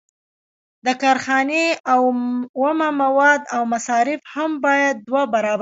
د کارخانې اومه مواد او مصارف هم باید دوه برابره شي